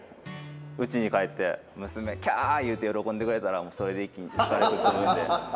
うちに帰って娘「キャー！」いうて喜んでくれたらもうそれで一気に疲れ吹っ飛ぶんで。